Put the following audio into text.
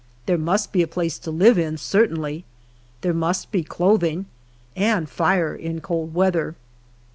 There must be a place to live in, certainly ; there must be clothing, and fire in cold weather.